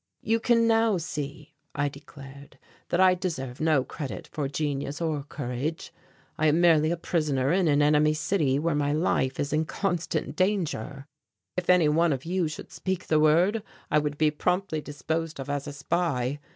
"You can now see," I declared, "that I deserve no credit for genius or courage. I am merely a prisoner in an enemy city where my life is in constant danger. If any one of you should speak the word, I would be promptly disposed of as a spy.